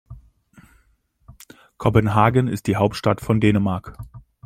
Kopenhagen ist die Hauptstadt von Dänemark.